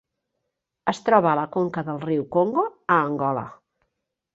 Es troba a la conca del riu Congo a Angola.